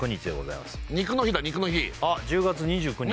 肉の日あっ１０月２９日